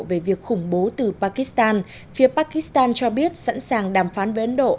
về việc khủng bố từ pakistan phía pakistan cho biết sẵn sàng đàm phán với ấn độ